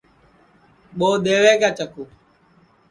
ٻو دؔیوے کیا چکُو